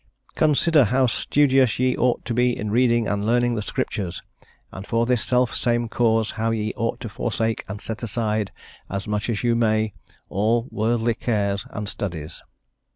"Consider how studious ye ought to be in reading and learning the Scriptures... and for this self same cause how ye ought to forsake and set aside (as much as you may) all worldly cares and studies."